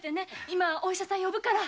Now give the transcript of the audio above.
今お医者さん呼ぶから。